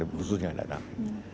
khususnya akan datang